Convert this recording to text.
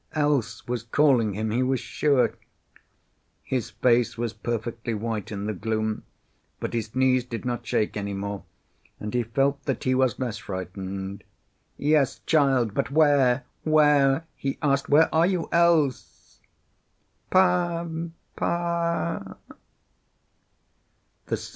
Else was calling him, he was sure. His face was perfectly white in the gloom, but his knees did not shake any more, and he felt that he was less frightened. "Yes, child! But where? Where?" he asked. "Where are you, Else?" "Pa pa!"